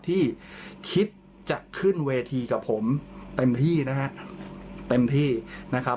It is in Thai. ที่คิดจะขึ้นเวทีกับผมเต็มที่นะครับ